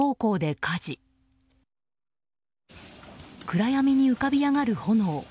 暗闇に浮かび上がる炎。